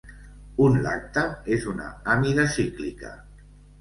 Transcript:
Un lactam és una amida cíclica.